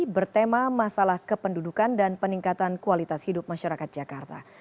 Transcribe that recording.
bertema masalah kependudukan dan peningkatan kualitas hidup masyarakat jakarta